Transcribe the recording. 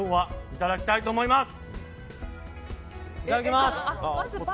いただきます。